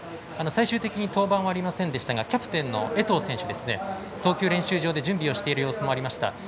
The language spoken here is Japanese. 最終的に登板はありませんでしたがキャプテンの江藤選手が投球練習場で準備をしている様子もありました。